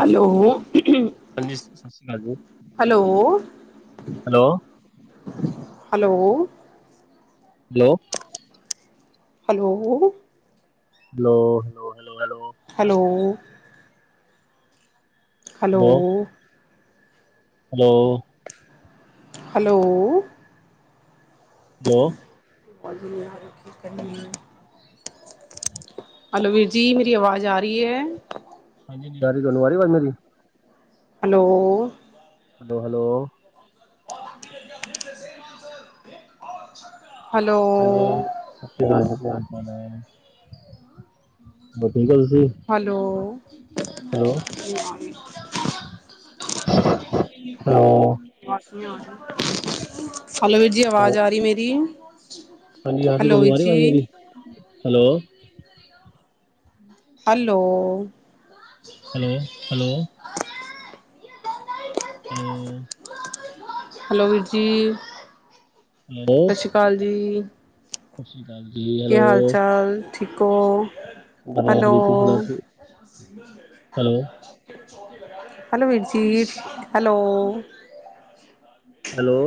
Hello. ਹਾਂਜੀ-ਸਤਿ ਸ਼੍ਰੀ ਅਕਾਲ ਜੀ। Hello hello hello. Hello. Hello hello hello. Hello hello. Hello hello hello ਹਲੋਓ ਲੋ [unintelligible] ਹੈਲੋ ਵੀਰ ਜੀ। ਮੇਰੀ ਆਵਾਜ਼ ਆ ਰਹੀ ਹੈ? ਹਾਂਜੀ ਹਾਂਜੀ ਆ ਰੀ ਤੁਹਾਨੂੰ ਆ ਰੀ ਆਵਾਜ ਮੇਰੀ? ਹੈਲੋ। ਹੈਲੋ-ਹੈਲੋ। [unintelligible] ਛ ਹਾਂਜੀ। ਸਤਿ ਸ਼੍ਰੀ ਅਕਾਲ ਜੀ, ਕੀ ਹਾਲ- ਚਾਲ ਹੈ? ਹੋਰ ਠੀਕ ਓ ਤੁਸੀਂ? ਹੈਲੋ- [unintelligible] ਹੈਲੋ [unintelligible] ਹੈਲੋ-ਵੀਰ ਜੀ ਆਵਾਜ਼ ਆ ਰੀ ਮੇਰੀ? ਹਾਂਜੀ-ਹਾਂਜੀ। ਹੈਲੋ ਤੁਹਾਨੂੰ ਵੀਰ ਆ ਰੀ ਜੀ ਆਵਾਜ਼ ਮੇਰੀ? Hello hello. ਹੈਲੋ-ਹੈਲੋ। ਹੈਲੋ ਓ। ਹੈਲੋ, ਵੀਰ ਜੀ ਸਤਿ ਹੈਲੋ ਸ਼੍ਰੀ ਅਕਾਲ ਜੀ। ਸਤਿ ਸ਼੍ਰੀ ਅਕਾਲ ਜੀ। ਹੈਲੋ ਕੀ ਹਾਲ- ਚਾਲ, ਠੀਕ ਹੋ? ਵਧੀਆ ਹੈਲੋ। ਜੀ ਤੁਸੀਂ ਸੁਣਾਓ ਠੀਕ ਹੈਲੋ ਹੈਲੋ। ਵੀਰ ਜੀ ਹੈਲੋ। ਹੈਲੋ।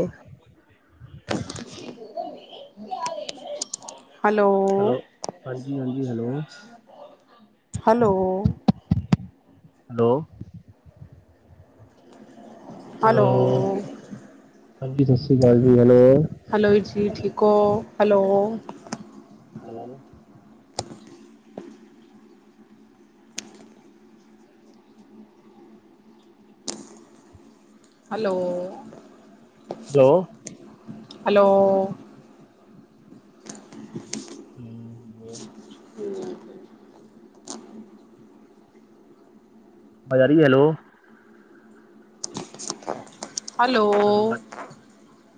ਹੈਲੋ। ਹੈਲੋ, ਹਾਂਜੀ-ਹਾਂਜੀ। ਹੈਲੋ। Hello hello. ਹੈਲੋ। ਹਾਂਜੀ ਸਤਿ ਸ਼੍ਰੀ ਅਕਾਲ ਜੀ ਹੈਲੋ ਹੈਲੋ, ਵੀਰ ਜੀ, ਠੀਕ ਹੋ? ਹੈਲੋ। ਹਾਂ ਹੈਲੋ ਹੈਲੋ-ਹੈਲੋ। [unintelligible] ਹਮ ਹਮ ਆਵਾਜ਼ ਆ ਰਹੀ ਹੈ, ਹੈਲੋ। [unintelligible] ਹੈਲੋ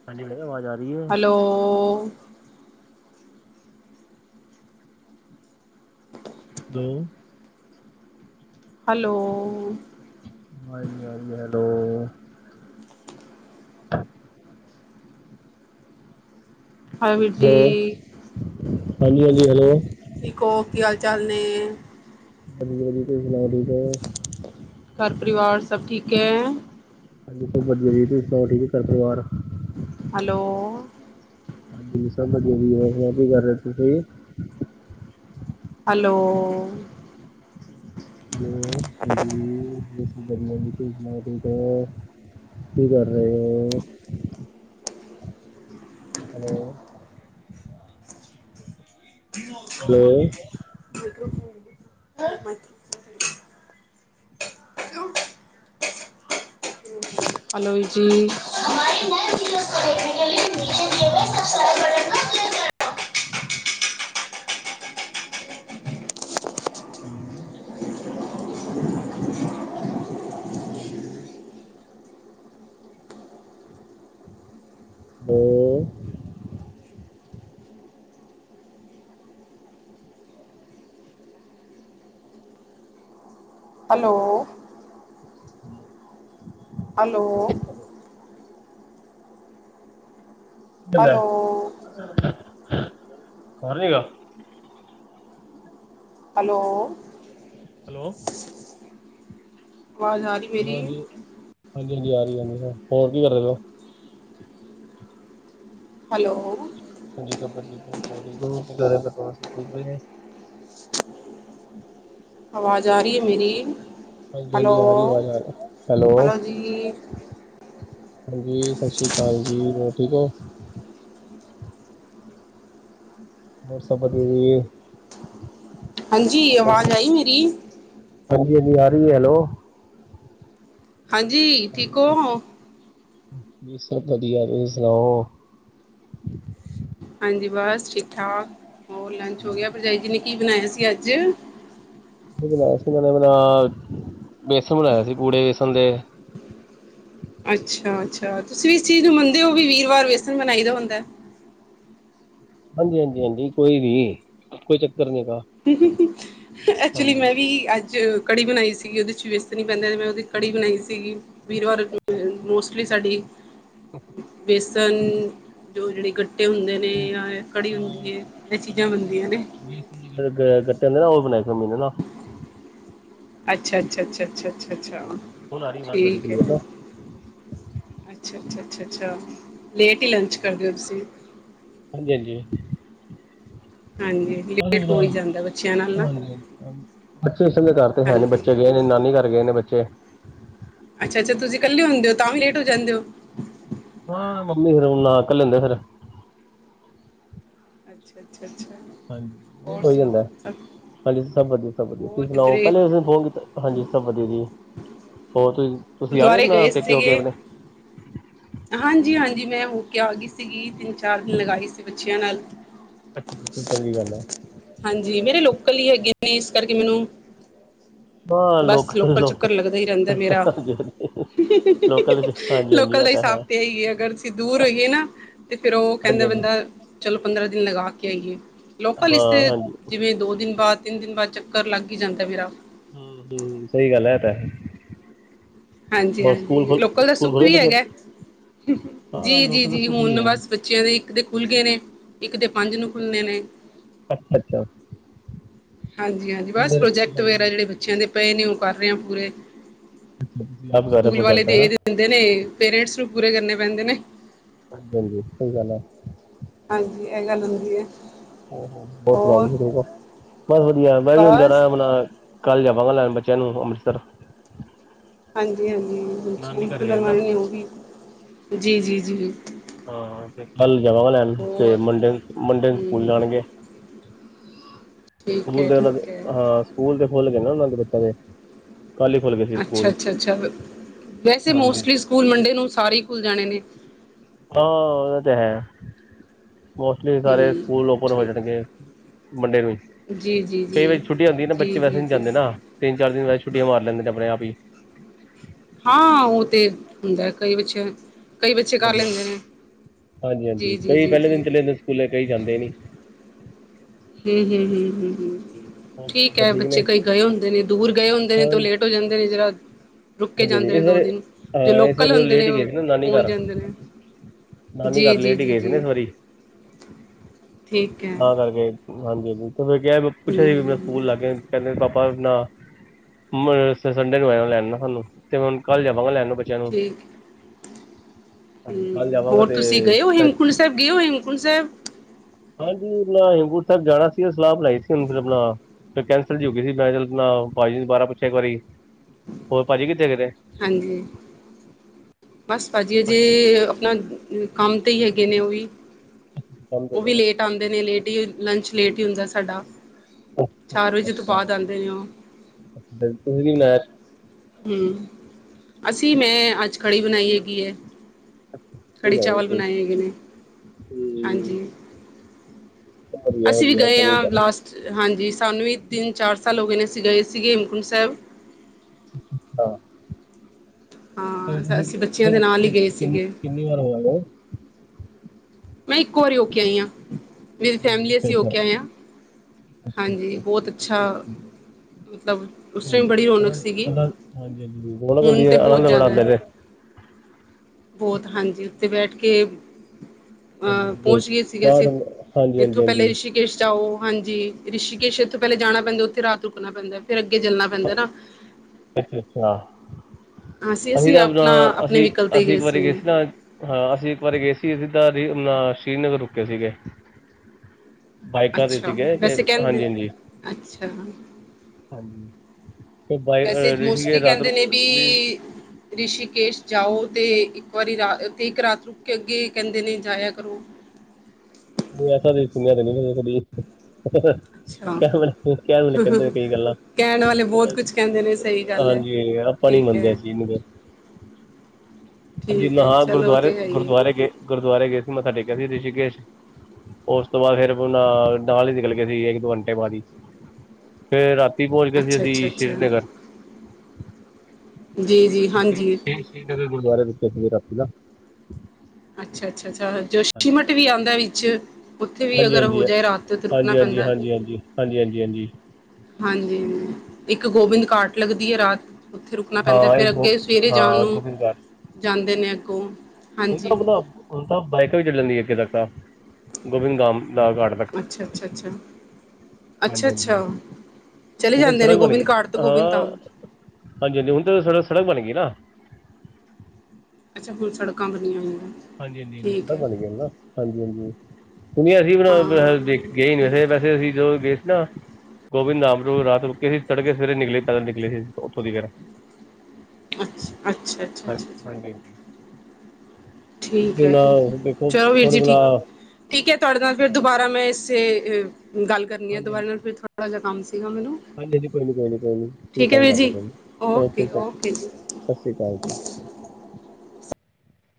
ਹਾਂਜੀ, ਮੈਂ ਕਿਹਾ ਆਵਾਜ ਆ ਰਹੀ ਹੈ। ਹੈਲੋ। ਦੋ। ਹੈਲੋ। ਆਵਾ ਨਹੀਂ ਆ ਰਹੀ, ਹੈਲੋ। [unintelligible] ਹਾਂ, ਵੀਰ ਦੋ ਜੀ। ਹਾਂਜੀ ਹਾਂਜੀ ਹੈਲੋ। ਠੀਕ ਹੋ, ਕੀ ਹਾਲ- ਚਾਲ ਨੇ? [unintelligible] ਘਰ ਪਰਿਵਾਰ, ਸਭ ਠੀਕ ਹੈ? ਹਾਂਜੀ ਜੀ ਸਭ ਵਧੀਆ ਜੀ, ਤੁਸੀਂ ਸੁਣਾਓ, ਠੀਕ ਹੈ ਘਰ ਪਰਿਵਾਰ? ਹੈਲੋ। ਹਾਂਜੀ ਸਭ ਵਧੀਆ, [inaudible] ਵੀ ਵੀ ਕਰ ਰਹੇ ਤੁਸੀਂ। ਹੈਲੋ। ਹੈਲੋ, ਹਾਂਜੀ। ਬਸ ਵਧੀਆ ਜੀ ਤੁਸੀਂ ਸੁਣਾਓ ਠੀਕ ਹੋ, ਕੀ ਕਰ ਰਹੇ ਹੋ? ਹੈਲੋ। ਹੈਲੋ। [unintelligible] [unintelligible] [unintelligible] ਹਾਲੋ ਜੀ [unintelligible] hello. Hello. [unintelligible] Hello. Hello. Hello. Hello [inaudible] hello. Hello ਵਾਜ਼ ਆ ਰੀ [unintelligible] ਹਾਂਜੀ, ਹਾਂਜੀ, ਹਾਂਜੀ ਆ ਰੀ ਜਾਂਦੀ ਫ ਹੋਰ ਕੀ ਕਰਦੇ ਹੈਲੋ ਜੀ ਸਬ ਬਦੀਆ ਠੀਕ [unintelligible] ਆਵਾਜ਼ ਆ ਰੀ ਆ ਮੇਰੀ? ਹਾਂਜੀ, ਹੈਲੋ ਹਾਂਜੀ ਆ ਰੀ ਆ ਰੀ ਆ ਹੈਲੋ। ਹਾਂਜੀ ਸ ਸ੍ਰੀ ਕਾਲ ਜੀ, ਹੋਰ ਠੀਕ ਓ? ਹੋਰ ਸਬ ਬਦੀਆ ਜੀ? ਹਾਂਜੀ ਹਾਂਜੀ ਅਵਾਜ਼ ਆਈ ਮੇਰੀ? ਹਾਂਜੀ, ਹਾਂਜੀ ਆ ਰੀ ਆ ਹੈਲੋ। ਹਾਂਜੀ, ਠੀਕ ਓ ਵਦੀਆ, ਤੁਸੀਂ ਸੁਣਾਓ? ਹਾਂਜੀ ਬਸ ਠੀਕ ਠਾਕ, ਹੋਰ ਲੰਚ ਹੋ ਗੇਆ ਭਰਜਾਈ ਜੀ ਨੇ ਕੀ ਬਨਾਏਆ ਸੀ ਆੱਜ? ਕੀ ਬਨਾਏਆ ਸੀ ਐਨਾਂ ਨੇ ਅਪਨਾ, ਬੇਸਣ ਬਣਾਆ ਸੀ ਪੂੜੇ ਵੇਸਨ ਦੇ ਅੱਛਾ, ਅੱਛਾ ਤੁਸੀਂ ਵੀ ਇਸ ਚੀਜ ਨੂੰ ਮੰਨਦੇ ਓ ਕੀ, ਵੀਰਵਾਰ ਵੇਸਨ ਬਨਾਈ ਦਾ ਹੁੰਦੈ? ਹਾਂਜੀ, ਹਾਂਜੀ, ਹਾਂਜੀ ਕੋਈ ਵੀ ਕੋਈ ਚੱਕਰ ਨਈ ਹੈਗਾ। ਐਚੁਲੀ ਹਾਂਜੀ ਮੈਂ ਵੀ ਆੱਜ ਕੜੀ ਬਨਾਈ ਸੀਗੀ ਓਦੇ ਚ ਵ ਵੇਸਨ ਈ ਪੈਂਦੈ, ਮੈਂ ਓਦੀ ਕੜੀ ਬਨਾਈ ਸੀਗੀ ਵੀਰਵਾਰ ਅ ਸਾਡੀ, ਵੇਸਨ ਜੋ ਜੇੜੇ ਗੱਟੇ ਹੁੰਦੇ ਨੇ। ਜਾਂ ਕੜੀ ਹੁੰਦੀ ਹਾਂ ਏ ਏ ਚੀਜਾ ਬਨਦੀਆਂ ਨੇ। [unintelligible] ਗੱਟੇ ਹੁੰਦੇ ਨਾ ਓ, ਬਨਾਏ ਸੀ ਮਮੀ ਨੇ ਨਾ। ਅੱਛਾ, ਅੱਛਾ, ਅੱਛਾ ਅੱਛਾ, ਅੱਛਾ ਅੱਛਾ ਹੁਣ ਆ ਰਹੀ ਆਵਾਜ਼ ਤੁਹਾਡੀ ਠੀਕ ਐ। ਕਲੀਅਰ ਨਾ ਅੱਛਾ, ਅੱਛਾ, ਅੱਛਾ, ਅੱਛਾ ਲੇਟ ਈ ਲੰਚ ਕਰਦੇ ਓ ਤੁਸੀਂ ਹਾਂਜੀ, ਹਾਂਜੀ। ਹਾਂਜੀ ਲੇਟ ਹੋ ਹੀ ਜਾਂਦਾ ਬੱਚਿਆਂ ਨਾਲ ਨਾ [unintelligible] ਬੱਚੇ ਇਸ ਸਮੇ ਘਾਰ ਤੇ ਹੈ ਨੀ, ਹਾਂਜੀ ਬੱਚੇ ਗਏ ਨ ਨਾਨੀ ਘਾਰ ਗਏ ਨੇ ਬੱਚੇ। ਅੱਛਾ, ਅੱਛਾ ਤੁਸੀ ਕੱਲੇ ਹੁੰਦੇ ਓ ਤਾਂ ਵੀ ਲੇਟ ਹੋ ਜਾਂਦੇ ਓ? ਹਾਂ, [unintelligible] ਅੱਛਾ, ਅੱਛਾ, ਅੱਛਾ। ਹਾਂਜੀ ਹੋਰ ਲੇਟ ਹੋ ਸੁਣਾਓ ਜਾਂਦੈ ਸਭ ਹਾਂਜੀ--ਸਬ ਵਦੀਆ, ਸਬ ਵਦੀਆ, ਹੋਰ ਤੁਸੀਂ ਸਨਾਓ? ਕਿਧਰੇ ਪੈਲੇ ਤੁਸੀਂ ਫੋਨ ਕੀਤਾ ਹਾਂਜੀ ਸਬ ਵਦੀਆ ਜੀ। ਹੋਰ ਤੁਸੀਂ, ਤੁਸੀਂ ਆਗੇ ਗੁਰਦੁਆਰੇ ਗਏ [unintelligible] ਪੇਕੇ ਹੋਕੇ ਸੀਗੇ ਅਪਨੇ? ਹਾਂਜੀ, ਹਾਂਜੀ। ਮੈਂ ਹੋ ਕੇ ਆ ਗੀ ਸੀਗੀ ਤਿੰਨ ਚਾਰ ਦਿਨ ਲਗਾਈ ਸੀ ਬੱਚੇਆਂ ਨਾਲ ਅੱਛਾ ਬਿਲਕੁਲ ਚੰਗੀ ਗੱਲ ਐਉ। ਹਾਂਜੀ ਮੇਰੇ ਲੋਕਲ ਈ ਹੈਗੇ ਨੇ ਇਸ ਕਰਕੇ ਮੈਨੂੰ--ਨਉਦ ਬਸ, ਲੋਕਲ ਚੱਕਰ ਲੱਗਦਾ ਈ ਰੈਂਦੈ ਮੇਰਾ। ਹਾਂਜੀ ਹਾਂਜੀ ਲੋਕਲ ਚ ਹਾਂਜੀ ਹਾਂਜੀ ਲੋਕਲ ਇਹ ਦਾ ਤਾਂ ਹੈ ਹਿਸਾਬ ਤੇ ਐ ਈ ਐ, ਅਗਰ ਅਸੀ ਦੂਰ ਹੋਈਏ ਨਾ ਤੇ ਫੇਰ ਓ ਹਾਂਜੀ ਕੈਂਦੇ ਹਾਂਜੀ ਬੰਦਾ ਚਲੋ ਪੰਦਰਾਂ ਦਿਨ ਲਗਾ ਕੇ ਆਈਏ। ਲੋਕਲ ਹਾਂ ਇਸਤੇ ਹਾਂਜੀ ਜਿਵੇਂ ਦੋ ਦਿਨ ਬਾਦ। ਤਿੰਨ ਦਿਨ ਬਾਦ ਚੱਕਰ ਲੱਗ ਈ ਜਾਂਦੈ ਮੇਰਾ। ਹੂੰ ਹੂੰ, ਸਈ ਗੱਲ ਐ। ਐ ਤਾ ਹੈ। ਹਾਂਜੀ, ਹੋਰ ਸਕੂਲ ਹਾਂਜੀ ਖੁੱਲ ਲੋਕਲ ਦਾ ਸਕੂਲ ਸੁੱਖ ਖੁੱਲ ਗਏ ਵੀ ਬੱਚਿਆਂ ਦੇ ਹੈਗੈ। ਜੀ, ਹਾਂ ਜੀ, ਲੋਕਲ ਜੀ ਸੁੱਖ ਵੀ ਹੁਨ ਹੈ। ਬਸ ਬੱਚੇਆਂ ਦੇ ਇੱਕ ਦੇ ਖੁੱਲ੍ਹ ਗਏ ਨੇ। ਇੱਕ ਦੇ ਪੰਜ ਨੂੰ ਖੁੱਲਨੇ ਨੇ। ਅੱਛ, ਅੱਛ। ਹਾਂਜੀ, ਹਾਂਜੀ ਬਸ ਪ੍ਰੋਜੈਕਟ ਵਗੈਰਾ ਜੇੜੇ ਬੱਚੇਆਂ ਦੇ ਪਏ ਨੇ ਓ ਕਰ ਰਏ ਆਂ ਪੂਰੇ। ਤੁਸੀਂ ਆਪ ਕਰ ਰਹੇ ਸੂਕੂਲ ਵਾਲੇ ਪ੍ਰੋਜੈਕਟ ਹੈ ਦੇ ਦਿੰਦੇ ਨੇ, ਪੇਰੇਂਟਸ ਨੂੰ ਪੂਰੇ ਕਰਨੇ ਪੈਂਦੇ ਨੇ। ਹਾਂਜੀ-ਹਾਂਜੀ, ਸਹੀ ਗੱਲ ਹੈ। ਹਾਂਜੀ, ਇਹ ਗੱਲ ਹੁੰਦੀ ਹੈ। [unintelligible] ਬਸ ਹੋਰ ਵਧੀਆ, ਮੈਂ ਵੀ ਹੁਣ ਬਸ ਜਾਣਾ। ਆਪਣਾ ਕੱਲ ਜਾਵਾਂਗਾ, ਲੈਣ ਬੱਚਿਆਂ ਨੂੰ, ਅੰਮ੍ਰਿਤਸਰ। ਹਾਂਜੀ-ਹਾਂਜੀ। ਨਾਨੀ ਘਰ ਬਿਲਕੁਲ ਗਏ ਨਾ ਲਵਾਣੀ ਉਹ ਵੀ ਜੀ -ਜੀ, ਜੀ। ਹਾਂ, ਤੇ ਕੱਲ ਜਾਵਾਂਗਾ ਲੈਣ ਤੇ ਹੋਰ ਮੰਡੇ-ਮੰਡੇ ਨੂੰ ਸਕੂਲ ਹਮ ਜਾਣਗੇ। [unintelligible] ਸਕੂਲ ਹੈ ਦੇ ਉਹਨਾਂ ਦੇ ਠੀਕ ਹੈ ਹਾਂ ਸਕੂਲ ਤੇ ਖੁੱਲ ਗਏ ਨੇ, ਉਹਨਾਂ ਦੇ ਬੱਚਿਆਂ ਦੇ ਕੱਲ ਹੀ ਖੁੱਲ ਗਏ ਸੀ ਸਕੂਲ ਅੱਛਾ-ਅੱਛਾ, ਅੱਛਾ ਵੈਸੇ ਹਾਂਜੀ ਮੋਸਟਲੀ ਸਕੂਲ ਮੰਡੇ ਨੂੰ ਸਾਰੇ ਹੀ ਖੁੱਲ ਜਾਣੇ ਨੇ। ਹਾਂ, ਉਹ ਤੇ ਹੈ। ਮੋਸਟਲੀ, ਸਾਰੇ ਹਮ ਸਕੂਲ ਓਪਨ ਹੋ ਠੀਕ ਜਾਣਗੇ ਮੰਡੇ ਨੂੰ। ਜੀ ਜੀ ਕਈ ਜੀ ਵਾਰੀ ਛੁੱਟੀ ਹੁੰਦੀ ਨਾ, ਬੱਚੇ ਜੀ ਵੈਸੇ ਜੀ ਨੀ ਜੀ ਜਾਂਦੇ ਨਾ ਤਿੰਨ- ਚਾਰ ਦਿਨ ਵੈਸੇ ਛੁੱਟੀਆਂ ਮਾਰ ਲੈਂਦੇ ਨੇ, ਆਪਣੇ ਆਪ ਹੀ। ਹਾਂ, ਉਹ ਤੇ ਹੁੰਦਾ ਕਈ ਬੱਚਿਆਂ ਹਾਂਜੀ-ਹਾਂਜੀ, ਹਾਂਜੀ-ਹਾਂਜੀ ਜੀ ਜੀ ਕਈ ਜੀ ਪਹਿਲੇ ਜੀ ਦਿਨ ਚਲੇ ਜਾਂਦੇ, ਸਕੂਲੇ ਕਈ ਜਾਂਦੇ ਨੀ। ਹਮ-ਹਮ, ਹਮ-ਹਮ, ਹਮ। ਹੋਰ ਠੀਕ ਹੈ, ਸਭ ਨੇ ਬੱਚੇ ਕਈ ਗਏ ਹੁੰਦੇ ਨੇ, ਦੂਰ ਗਏ ਹੁੰਦੇ ਨੇ ਹਾਂ ਤੇ ਉਹ ਲੇਟ ਹੋ ਹਾਂਜੀ ਜਾਂਦੇ ਨੇ ਜਿਹੜਾ ਰੁਕ ਕੇ ਹਾਂਜੀ ਜਾਂਦੇ ਨੇ ਇਸ ਦੋ ਵਾਰੀ ਦਿਨ, ਜੋ ਹਾਂ ਇਸ ਲੋਕਲ ਵਾਰੀ ਥੋੜਾ ਹੁੰਦੇ ਨੇ, ਲੇਟ ਹੀ ਉਹ ਗਏ ਸੀ ਨਾ ਨਾਨੀ ਪਹੁੰਚ ਘਰ ਜਾਂਦੇ ਨੇ। ਨਾਨੀ ਘਰ ਜੀ-ਜੀ, ਲੇਟ ਹੀ ਗਏ ਸੀ ਨਾ ਜੀ-ਜੀ ਇਸ ਵਾਰੀ ਠੀਕ ਹੈ। ਹਾਂਜੀ-ਹਾਂਜੀ ਤੇ ਫਿਰ ਕਿਹਾ ਸੀ ਮੈਂ, ਪੁੱਛਿਆ ਸੀ ਵੀ ਮੈਂ। ਹਮ ਸਕੂਲ ਲੱਗੇ ਨੇ। ਕਹਿੰਦੇ ਨੇ ਪਾਪਾ ਨਾ ਮੈਂ ਸ ਸੰਡੇ ਨੂੰ ਆ ਜਾਓ ਲੈਣ ਸਾਨੂੰ। ਤੇ ਹੁਣ ਕੱਲ ਜਾਵਾਂਗਾ, ਲੈਣ ਨੂੰ ਬੱਚ ਠੀਕ। ਹਾਂਜੀ ਕੱਲ ਹਮ, ਜਾਵਾਂਗਾ ਹੋਰ ਤੇ ਤੁਸੀਂ ਗਏ ਹੋ ਸ਼ਾਇਦ ਹੇਮਕੁੰਟ ਸਾਹਿਬ, ਗਏ ਹੋ ਹੇਮਕੁੰਟ ਸਾਹਿਬ? ਹਾਂਜੀ, ਆਪਣਾ ਹੇਮਕੁੰਟ ਸਾਹਿਬ ਜਾਣਾ ਸੀ, ਅਸੀਂ ਸਲਾਹ ਬਣਾਈ ਸੀ। ਹੁਣ ਫਿਰ ਆਪਣਾ ਫਿਰ ਕੈਂਸਲ ਜੀ ਹੋਗੀ ਸੀ। ਮੈਂ ਚੱਲ ਆਪਣਾ ਪਾਜੀ ਨੂੰ ਦੁਬਾਰਾ ਪੁੱਛਿਆ ਇੱਕ ਵਾਰੀ ਪਾਜੀ, ਕਿੱਥੇ ਗਏ ਦੇ? ਹਾਂਜੀ। ਬੱਸ, ਭਾਜੀ ਅਜੇ ਆਪਣਾ ਕੰਮ ਤੇ ਹੀ ਹੈਗੇ ਨੇ ਉਹ ਵੀ ਕੰਮ ਤੇ ਉਹ ਗਏ ਵੀ ਲੇਟ ਆਉਂਦੇ ਨੇ, ਲੇਟ ਹੀ ਲੰਚ, ਲੇਟ ਹੀ ਹੁੰਦਾ ਸਾਡਾ। ਚਾਰ ਵਜੇ ਤੋਂ ਬਾਅਦ ਆਉਂਦੇ ਨੇ, ਉਹ। ਫੇਰ, ਤੁਸੀਂ ਵੀ ਮੈਚ ਹਮ, ਅਸੀਂ ਮੈਂ ਅੱਜ ਕੜੀ ਬਣਾਈ ਹੈਗੀ ਹੈ। ਖਿਚੜੀ ਕੜੀ ਬਣਾਈ ਚਾਵਲ, ਸੀ ਬਣਾਏ ਹੈਗੇ ਨੇ। ਹਾਂਜੀ। ਹੂੰ ਵਧੀਆ ਅਸੀਂ ਵੀ ਵਧੀਆ ਗਏ ਚੰਗੀ ਹਾਂ, ਗੱਲ ਲਾਸਟ ਹਾਂਜੀ ਸਾਨੂੰ ਵੀ ਤਿੰਨ ਚਾਰ ਸਾਲ ਹੋ ਗਏ ਨੇ ਅਸੀਂ ਗਏ ਸੀਗੇ ਹੇਮਕੁੰਟ ਸਾਹਿਬ। ਹਾਂ। ਹਾਂ ਅਸੀਂ ਬੱਚਿਆਂ ਦੇ ਨਾਲ ਹੀ ਗਏ ਸੀਗੇ ਸ਼ਨੀ [inaudible] ਵਾਰ ਹੋਇਆ। ਮੈਂ ਇੱਕ ਵਾਰੀ ਹੋ ਕੇ ਆਈ ਹਾਂ, ਮੇਰੀ ਹੂੰ, ਫੈਮਿਲੀ ਅੱਛਾ ਅਸੀਂ ਅੱਛਾ ਹੋਕੇ ਅੱਛਾ ਆਏ ਹਾਂ। ਅੱਛਾ ਹਾਂਜੀ, ਠੀਕ ਬਹੁਤ ਹੈ, ਅੱਛਾ, ਠੀਕ ਹੈ। ਮਤਲਬ ਉਸ ਟਾਈਮ ਬੜੀ ਰੌਣਕ ਸੀਗੀ। ਹਾਂਜੀ-ਹਾਂਜੀ, ਬਹੁਤ ਹੁਣ ਤਾਂ ਵਧੀਆ ਬਹੁਤ ਆਨੰਦ ਜ਼ਿਆਦਾ ਬੜਾਉਂਦੇ ਹੈ ਨੇ। ਬਹੁਤ। ਹਾਂਜੀ, ਉੱਤੇ ਬੈਠ ਕੇ ਹਾ ਹਾਂਜੀ ਪਹੁੰਚ ਗਏ ਸੀਗੇ ਅਸੀਂ, ਬਾਹਰ ਹਾਂਜੀ ਹਾਂਜੀ ਇੱਥੋਂ ਪਹਿਲੇ ਹਾਂਜੀ ਰਿਸ਼ੀ ਕੇਸ਼ ਜਾਓ। ਹਾਂਜੀ, ਰਿਸ਼ੀਕੇਸ਼ ਇੱਥੋਂ ਪਹਿਲੇ ਜਾਣਾ ਪੈਂਦਾ, ਉੱਥੇ ਰਾਤ ਰੁੱਕਣਾ ਪੈਂਦਾ, ਫੇਰ ਅੱਗੇ ਚੱਲਣਾ ਪੈਂਦਾ ਨਾ। ਅੱਛਾ, ਅੱਛਾ, ਅਸੀਂ ਅਸੀ ਅਸੀਂ ਨਾਂ ਅਪਨਾ ਆਪਣਾ ਆਪਣੇ ਅਸੀ, ਵਹੀਕਲ 'ਤੇ ਅਸੀ ਇੱਕ ਵਾਰੀ ਗਏ ਸੀ ਨਾ ਹਾਂ। ਅਸੀਂ ਇੱਕ ਵਾਰੀ ਗਏ ਸੀ ਸਿੱਦਾ ਦਾ ਰੀ, ਅਪਨਾ ਸ਼੍ਰੀਨਗਰ ਰੁਕੇੇ ਸੀਗੇ। ਬਾਈਕਾਂ 'ਤੇ ਅੱਛਾ, ਸੀਗੇ ਅਤੇ ਵੈਸੇ ਹਾਂਜੀ ਕਹਿੰਦੇ। ਹਾਂਜੀ ਅੱਛਾ। ਹਾਂਜੀ ਅਤੇ ਬਾਈ ਵੈਸੇ, ਮੋਸਟਲੀ ਰਿਸ਼ੀਕੇਸ਼ ਰਾਤ ਕਹਿੰਦੇ ਨੇ ਵੀ ਰਿਸ਼ੀਕੇਸ਼ ਜਾਓ, ਤੇ ਇੱਕ ਵਾਰੀ ਰਾ ਤੇ ਇੱਕ ਰਾਤ ਰੁਕ ਕੇ, ਅੱਗੇ ਕਹਿੰਦੇ ਨੇ ਜਾਇਆ ਕਰੋ। ਵੋ ਐਸਾ ਤੇ ਸੁਣਿਆ ਤੇ ਨਹੀਂ ਨ ਕਦੀ, ਹ-ਹ-ਹ। ਅੱਛਾ ਕਹਿ ਵੇਲੇ, ਕਹਿ ਵੇਲੇ, ਕਹਿੰਦੇ ਨੇ ਕਈ ਗੱਲਾਂ। ਕਹਿਣ ਵਾਲੇ ਬਹੁਤ ਕੁਝ ਕਹਿੰਦੇ ਨੇ, ਸਹੀ ਗੱਲ ਹੈ। ਹਾਂਜੀ ਠੀਕ ਹੈ। [unintelligible] ਅਸੀ ਠੀਕ ਹੈ ਨਹਾ ਚਲੋ ਉਹ ਗੁਰਦੁਆਰੇ, ਤੇ ਹੈ ਹੀ ਹੈ ਗੁਰਦੁਆਰੇ ਗਏ, ਗੁਰਦੁਆਰੇ ਗਏ ਸੀ, ਮੱਥਾ ਟੇਕਿਆ ਸੀ ਰਿਸ਼ੀਕੇਸ਼। ਉਸ ਤੋਂ ਬਾਅਦ, ਫੇਰ ਆਪਣਾ ਬਾਹਰ ਹੀ ਨਿਕਲ ਗਏ ਸੀ, ਇੱਕ ਦੋ ਘੰਟੇ ਬਾਅਦ ਹੀ। ਫੇਰ ਰਾਤੀ ਪੋਂਚ ਗਏ ਸੀ ਅੱਛਾ ਅੱਛਾ ਅਸੀ, ਅੱਛਾ ਸੀ਼ਰੀਨਗਰ। ਜੀ, ਜੀ। ਤੇ ਸ੍ਰੀ਼, ਹਾਂਜੀ ਸ੍ਰੀ਼, ਸ੍ਰੀ ਨਗਰ ਗੁਰਦੁਆਰੇ ਰੁੱਕੇ ਸੀਗੇ ਰਾਤੀ ਨਾ। ਅੱਛਾ, ਅੱਛਾ, ਅੱਛਾ ਜੋਸ਼ੀਮਟ ਵੀ ਆਂਦੈ ਵਿੱਚ। ਉੱਥੇ ਵੀ ਹਾਂਜੀ ਹਾਂਜੀ ਅਗਰ ਹੋ ਜਾਏ ਰਾਤ ਤੇ ਉੱਥੇ ਰੁੱਕਨਾ ਹਾਂਜੀ ਹਾਂਜੀ ਹਾਂਜੀ ਹਾਂਜੀ ਪੈਂਦੈ। ਹਾਂਜੀ ਹਾਂਜੀ, ਹਾਂਜੀ, ਹਾਂਜੀ। ਹਾਂਜੀ। ਇੱਕ ਗੋਬਿੰਦ ਘਾਟ ਲੰਗਦੀ ਏ ਰਾਤ। ਉੱਥੇ ਰੁੱਕਨਾ ਪੈਂਦੈ, ਹਾਂ ਇਹ ਫੇਰ ਗੋ ਅੱਗੇ ਸਵੇਰੇ ਜਾਨ ਹਾਂ ਨੂੰ, ਗੋਬਿੰਦ ਜਾਂਦੇ ਨੇ ਅੱਗੋਂ। ਹੁਨ ਹਾਂਜੀ ਤਾਂ ਅਪਨਾ, ਹੁਨ ਤਾਂ ਬਾਈਕਾਂ ਵੀ ਚੱਲੀ ਜਾਂਦੀ ਆਂ, ਅੱਗੇ ਤੱਕਨ ਗੋਬਿੰਦ ਧਾਮ ਦਾ ਗਾੜ੍ਹ। ਅੱਛਾ, ਅੱਛਾ, ਅੱਛਾ। ਹਾਂਜੀ ਅੱਛਾ, ਹਾਂਜੀ ਅੱਛਾ ਚਲੇ ਹੁਣ ਤਾਂ ਜਾਂਦੇ ਨੇ ਸੜਕ ਬਣ ਗਈ ਗੋਬਿੰਦ ਘਾਟ ਤੋਂ ਗੋਬਿੰਦ ਹਾਂ ਧਾਮ? ਹਾਂਜੀ, ਹਾਂਜੀ ਹੁਨ ਤੇ ਸ ਸੜਕ ਬਨ ਗਈ ਨਾ। ਅੱਛਾ, ਹੁਨ ਸੜਕਾਂ ਬਨੀਆਂ ਹੋਈਆਂ। ਹਾਂਜੀ, ਹਾਂਜੀ, ਹਾਂਜੀ ਠੀਕ ਹੈ [unintelligible] ਹਾਂਜੀ-ਹਾਂਜੀ। ਸੁਨੇਆ ਸੀ [unintelligible] ਹਾਂ ਵੈਸੇ, ਠੀਕ ਵੈਸੇ ਅਸੀਂ ਜਦੋਂ ਗਏ ਸੀ ਨਾ। ਗੋਬਿੰਦ ਧਾਮ ਨੂੰ ਰਾਤ ਰੁੱਕੇ ਸੀ, ਤੜਕੇ ਸਵੇਰੇ ਨਿਕਲੇ, ਪੈਦਲ ਨਿਕਲੇ ਸੀ, ਓਥੋਂ ਦੀ ਫੇਰ। ਅੱਛਾ, ਅੱਛਾ, ਅੱਛਾ, ਹਾਂਜੀ ਅੱਛਾ। ਹਾਂਜੀ ਠੀਕ ਐ, ਤੁਸੀਂ ਠੀਕ ਐ, ਹੁਣ ਦੇਖੋ ਚਲੋ ਵੀਰ ਥੋੜੇ ਜੀ ਬਲਾ ਠੀਕ। ਠੀਕ ਐ ਤੁਆੜੇ ਨਾਲ ਫਿਰ ਦੁਬਾਰਾ ਮੈਂ ਏਸੇ ਅ ਗੱਲ ਕਰਨੀ ਆ [unintelligible] ਹਾਂਜੀ ਥੋੜਾ ਜੇਆ ਕੰਮ ਸੀਗਾ ਮੈਨੂੰ। ਹਾਂਜੀ, ਹਾਂਜੀ ਕੋਈ ਨੀ, ਕੋਈ ਨੀ, ਕੋਈ ਨੀ ਤੁਸੀ ਠੀਕ ਹੈ ਕੰਮ ਵੀਰ ਕਰਲੋ ਜੀ ਕੋ ਨੀ, ਓਕੇ ਸਾ ਸ੍ਰੀ ਕਾਲ ਜੀ ਸਾਅ ਸ੍ਰੀ ਕਾਲ ਜੀ।